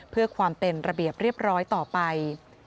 เพื่อความเป็นระเบียบเรียบร้อยต่อไป